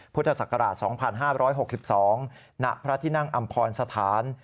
พุทธศักราช๒๕๖๒ณพระที่นั่งอำพรสถาน